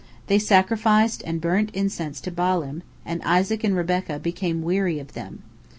They sacrificed and burnt incense to the Baalim, and Isaac and Rebekah became weary of them.